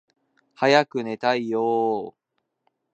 早く寝たいよーー